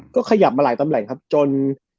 ก็ขยับมาหลายตำแหน่งครับจน